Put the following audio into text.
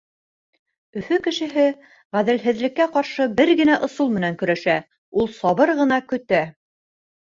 Өфө кешеһе ғәҙелһеҙлеккә ҡаршы бер генә ысул менән көрәшә — ул сабыр ғына көтә.